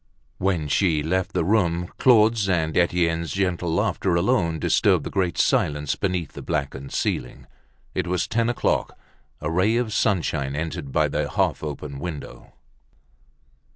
When she left the room, Claude's and Etienne's gentle laughter alone disturbed the great silence beneath the blackened ceiling. It was ten o'clock. A ray of sunshine entered by the half open window.